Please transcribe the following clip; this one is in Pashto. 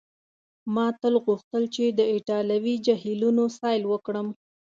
ما تل غوښتل چي د ایټالوي جهیلونو سیل وکړم.